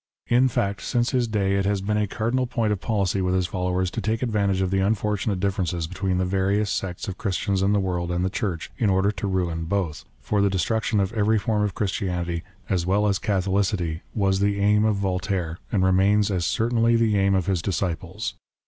In fact, since his day, it has been a cardinal point of policy with his follow^ers to take advantage of the unfortunate differences between the various sects of Christians in the world and the Church, in order to ruin both ; for the destruction of every form of Christianity, as well as Catholicity, was the aim of Voltaire, and remains as certainly the aim of his disciples.